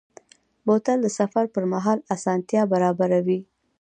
بوتل د سفر پر مهال آسانتیا برابروي.